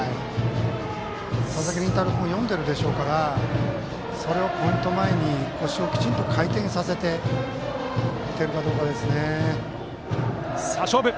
佐々木麟太郎君も読んでるでしょうからそれを、ポイントを前に腰をきちんと回転させて打てるかどうかですね。